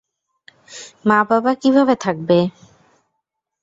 মা বাবা কীভাবে থাকবে?